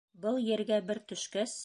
Был ергә бер төшкәс.